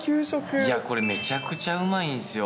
いや、これめちゃくちゃうまいんすよ。